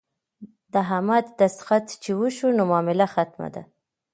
د احمد دستخط چې وشو نو معامله ختمه ده.